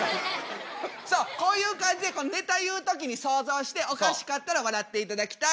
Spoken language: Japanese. さあこういう感じでネタ言う時に想像しておかしかったら笑っていただきたい。